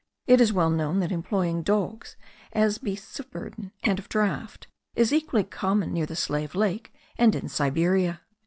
It is well known that employing dogs as beasts of burthen and of draught is equally common near the Slave Lake and in Siberia.